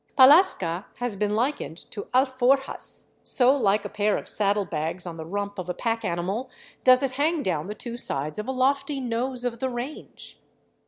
Pallasca has been likened to alforjas, so like a pair of saddlebags on the rump of a pack animal does it hang down the two sides of a lofty nose of the range.